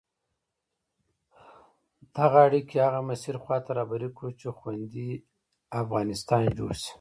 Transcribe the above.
دغه اړیکي هغه مسیر خواته رهبري کړو چې خوندي افغانستان جوړ شي.